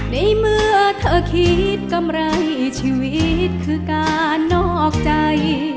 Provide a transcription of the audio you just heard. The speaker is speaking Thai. ในเมื่อเธอคิดกำไรชีวิตคือการนอกใจ